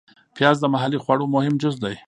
پیاز د محلي خواړو مهم جز دی